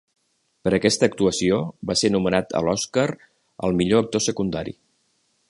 Per aquesta actuació, va ser nomenat a l'Oscar al millor actor secundari.